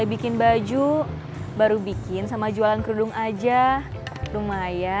temenix kata udah asli bangun ke nasal leri